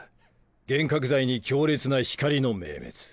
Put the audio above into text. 幻覚剤に強烈な光の明滅。